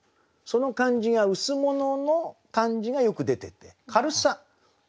その感じが羅の感じがよく出てて軽さ動き